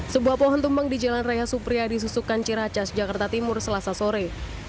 sebuah pohon tumbang di jalan raya supriyadi susukan ciracas jakarta timur selasa sore